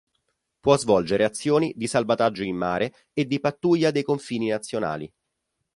Può svolgere azioni di salvataggio in mare e di pattuglia dei confini nazionali.